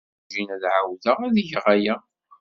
Werjin ad ɛawdeɣ ad geɣ aya.